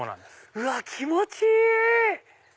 うわ気持ちいい！